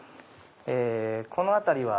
この辺りは。